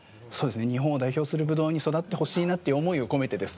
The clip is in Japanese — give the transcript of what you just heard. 日本を代表するブドウに育ってほしいなという思いを込めてです。